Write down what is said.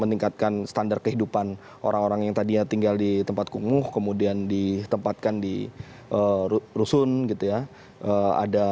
meningkatkan standar kehidupan orang orang yang tadinya tinggal di tempat kumuh kemudian ditempatkan di rusun gitu ya ada